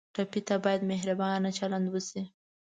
ټپي ته باید مهربانه چلند وشي.